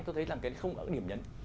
tôi thấy là không có điểm nhấn